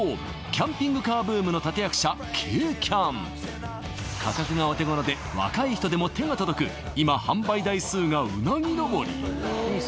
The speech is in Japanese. キャンピングカーブームの立役者軽キャン価格がお手頃で若い人でも手が届く今販売台数が鰻登り！